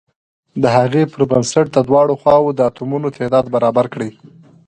د هغې پر بنسټ د دواړو خواو د اتومونو تعداد برابر کړئ.